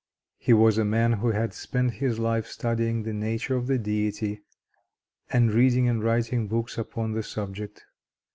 He was a man who had spent his life studying the nature of the Deity, and reading and writing books upon the subject.